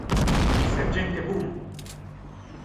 Il sergente Bum!